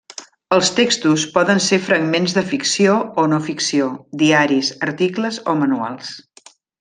Els textos poden ser fragments de ficció o no-ficció, diaris, articles o manuals.